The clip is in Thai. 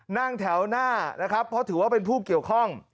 นั่งแถวหน้านะครับเพราะถือว่าเป็นผู้เกี่ยวข้อง